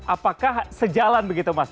apakah sejalan begitu mas